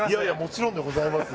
もちろんでございます